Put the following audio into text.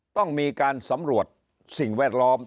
ต้องมีการสำรวจสิ่งแวดล้อม